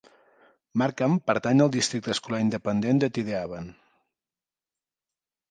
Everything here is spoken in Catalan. Markham pertany al districte escolar independent de Tidehaven